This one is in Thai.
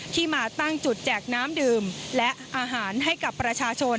ที่มาตั้งจุดแจกน้ำดื่มและอาหารให้กับประชาชน